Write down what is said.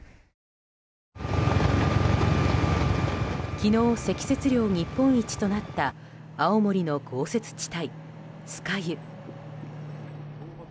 昨日、積雪量日本一となった青森の豪雪地帯、酸ヶ湯。